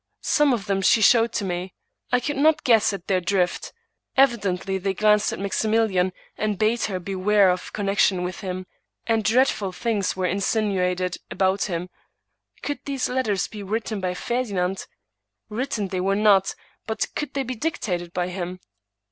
Some of them she showed to me. I could not guess at their drift. Evi dently they glanced at Maximilian, and bade her beware of connection with him; and dreadful things were insinuated about him. Could these letters be written by Ferdinand? Written they were not, but could they be dictated by him?